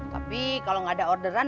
tapi kalau nggak ada orderan